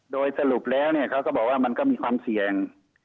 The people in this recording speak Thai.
โดยสรุปแล้วเขาก็บอกว่ามันก็มีความเสี่ยง